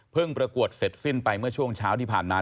ประกวดเสร็จสิ้นไปเมื่อช่วงเช้าที่ผ่านมา